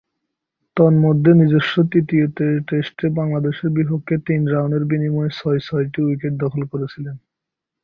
তন্মধ্যে, নিজস্ব তৃতীয় টেস্টে বাংলাদেশের বিপক্ষে তিন রানের বিনিময়ে ছয়-ছয়টি উইকেট দখল করেছিলেন।